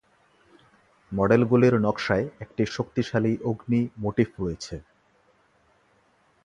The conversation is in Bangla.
মডেলগুলির নকশায় একটি শক্তিশালী অগ্নি মোটিফ রয়েছে।